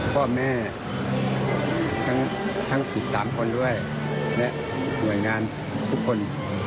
พ่อแม่ทั้ง๑๓คนด้วยและหน่วยงานทุกคน